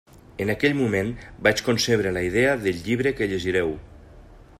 En aquell moment vaig concebre la idea del llibre que llegireu.